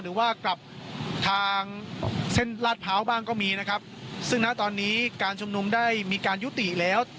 หรือว่ากลับทางเส้นลาดพร้าวบ้างก็มีนะครับซึ่งณตอนนี้การชุมนุมได้มีการยุติแล้ว